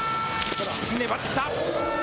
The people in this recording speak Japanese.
粘ってきた。